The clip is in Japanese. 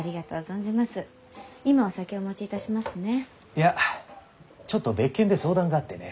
いやちょっと別件で相談があってね。